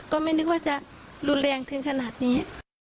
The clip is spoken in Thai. ก็ไม่นึกว่าจะรุนแรงถึงขนาดนี้